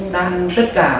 đang tất cả